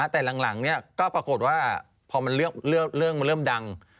แต่หลังก็ปรากฏว่าพอเรื่องมันเริ่มดัง